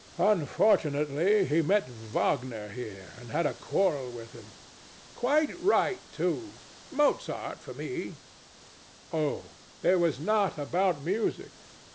Unfortunately he met Wagner here, and had a quarrel with him. THE STATUE. Quite right, too. Mozart for me! THE DEVIL. Oh, it was not about music.